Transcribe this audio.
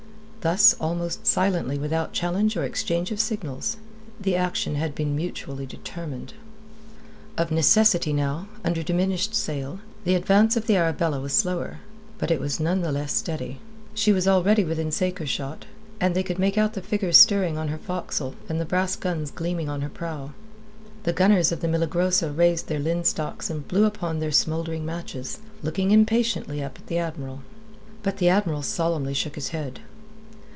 Thus, almost silently without challenge or exchange of signals, had action been mutually determined. Of necessity now, under diminished sail, the advance of the Arabella was slower; but it was none the less steady. She was already within saker shot, and they could make out the figures stirring on her forecastle and the brass guns gleaming on her prow. The gunners of the Milagrosa raised their linstocks and blew upon their smouldering matches, looking up impatiently at the Admiral. But the Admiral solemnly shook his head.